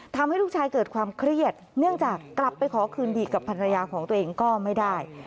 ทำให้ลูกชายเกิดความเครียดเนื่องจากกลับไปขอคืนดีกับภรรยาของตัวเองก็ไม่ได้